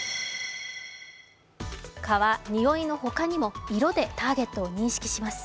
蚊はにおいの他にも色でターゲットを認識します。